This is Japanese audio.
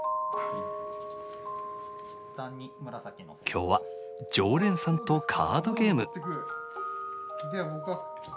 今日は常連さんとカードゲーム。